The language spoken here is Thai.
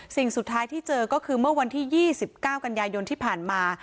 สิ่งสุดท้ายที่เจอก็คือเมื่อวันที่๒๙กันยายนที่ผ่านมา